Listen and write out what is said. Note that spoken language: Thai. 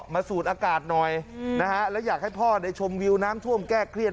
สูดอากาศหน่อยนะฮะแล้วอยากให้พ่อได้ชมวิวน้ำท่วมแก้เครียด